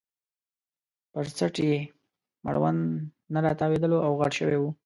پر څټ یې مړوند نه راتاوېدلو او غټ شوی وو.